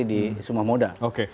di semua modal